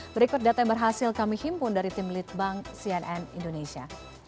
berikut data yang berhasil kami himpun dari tim litbang cnn indonesia